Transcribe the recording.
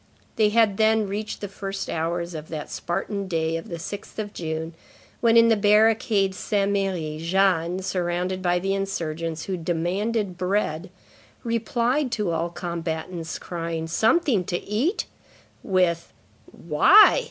They had then reached the first hours of that Spartan day of the 6th of June when, in the barricade Saint Merry, Jeanne, surrounded by the insurgents who demanded bread, replied to all combatants crying: "Something to eat!" with: "Why?